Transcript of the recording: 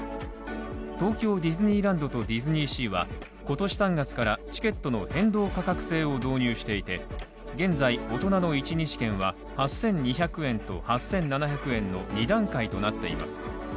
東京ディズニーランドとディズニーシーは今年３月からチケットの変動価格制を導入していて、現在、大人の一日券は８２００円と８７００円の２段階となっています。